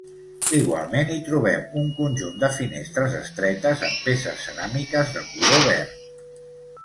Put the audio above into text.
Igualment hi trobem un conjunt de finestres estretes amb peces ceràmiques de color verd.